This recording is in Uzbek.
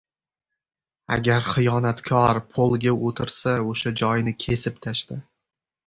• Agar xiyonatkor polga o‘tirsa, o‘sha joyni kesib tashla.